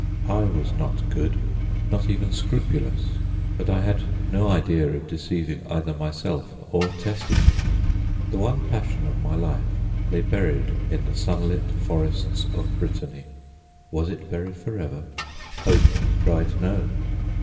I was not good, not even scrupulous, but I had no idea of deceiving either myself or Tessie. The one passion of my life lay buried in the sunlit forests of Brittany. Was it buried for ever? Hope cried "No!"